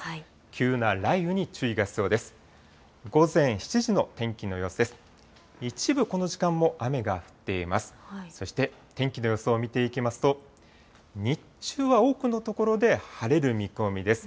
急な雷雨に注意が必要です。